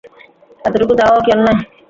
এতোটুকু চাওয়াও কি অন্যায়?